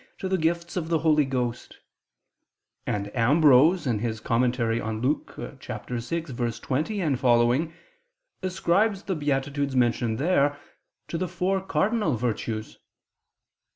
to the gifts of the Holy Ghost; and Ambrose in his commentary on Luke 6:20, seqq., ascribes the beatitudes mentioned there, to the four cardinal virtues.